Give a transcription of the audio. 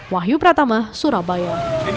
wahyu pratama surabaya